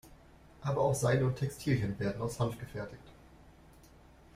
Aber auch Seile und Textilien werden aus Hanf gefertigt.